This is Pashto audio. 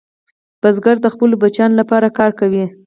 کروندګر د خپلو بچیانو لپاره کار کوي